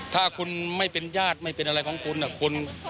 ถ้าคุณไม่เป็นญาติไม่เป็นอะไรของคุณ